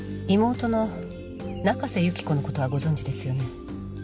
妹の中瀬由紀子のことはご存じですよね？